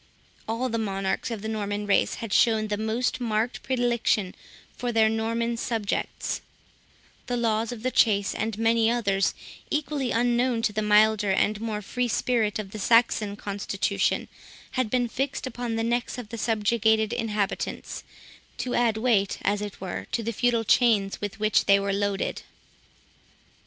All the monarchs of the Norman race had shown the most marked predilection for their Norman subjects; the laws of the chase, and many others equally unknown to the milder and more free spirit of the Saxon constitution, had been fixed upon the necks of the subjugated inhabitants, to add weight, as it were, to the feudal chains with which they were loaded.